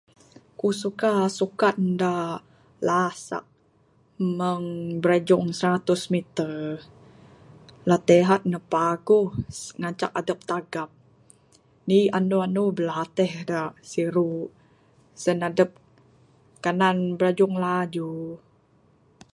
Kuk suka sukan da lasak. Mung birajung seratus meter. Latihan ne paguh, ngancak adup tagap. Ndik andu andu bilatih da siru'. Sen adup kanan birajung laju.